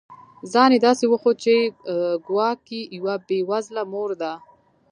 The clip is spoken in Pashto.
ځان یې داسي وښود چي ګواکي یوه بې وزله مور ده